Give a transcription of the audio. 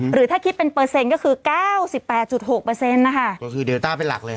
หรือถ้าคิดเป็นเปอร์เซ็นต์ก็คือเก้าสิบแปดจุดหกเปอร์เซ็นต์นะคะก็คือเดลต้าเป็นหลักเลย